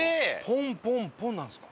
ポンポンポンなんですか。